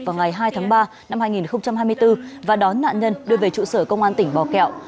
vào ngày hai tháng ba năm hai nghìn hai mươi bốn và đón nạn nhân đưa về trụ sở công an tỉnh bò kẹo